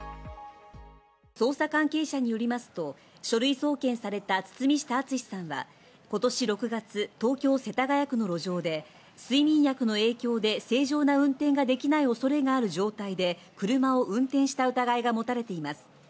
捜査関係者にありますと書類送検された堤下敦さんは今年６月、東京・世田谷区の路上で睡眠薬の影響で正常な運転ができない恐れがある状態で、車を運転した疑いが持たれています。